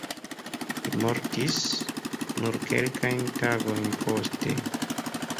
Li mortis nur kelkajn tagojn poste.